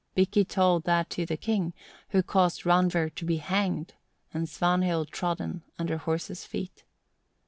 Bikki told that to the king, who caused Randver to be hanged, and Svanhild trodden under horses' feet.